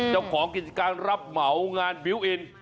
เจ้าของกิจการรับเหมางานบิวต์อิน